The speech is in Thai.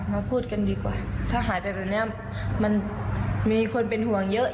มาพูดกันดีกว่าถ้าหายไปแบบนี้มันมีคนเป็นห่วงเยอะ